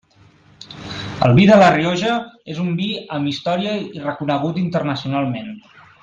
El vi de La Rioja és un vi amb història i reconegut internacionalment.